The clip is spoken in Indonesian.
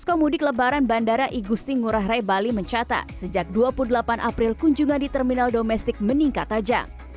komudik lebaran bandara igusti ngurah rai bali mencatat sejak dua puluh delapan april kunjungan di terminal domestik meningkat tajam